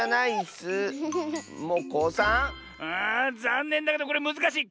あざんねんだけどこれむずかしい！